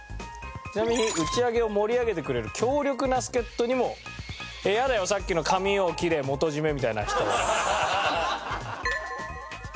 ちなみに打ち上げを盛り上げてくれる強力な助っ人にも。髪を切れ元締めみたいな人。